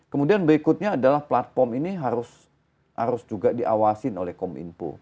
kemudian berikutnya adalah platform ini harus juga diawasin oleh kominfo